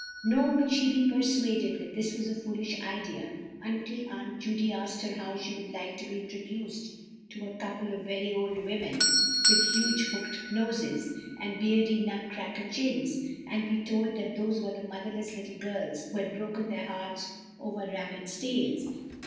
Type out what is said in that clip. Nor would she be persuaded that this was a foolish idea, until Aunt Judy asked her how she would like to be introduced to a couple of very old women, with huge hooked noses, and beardy, nut cracker chins, and be told that those were the motherless little girls who had broken their hearts over rabbits' tails!